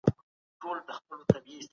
د انسان کرامت باید وساتل سي.